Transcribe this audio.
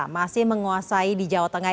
masih menguasai di jawa tengah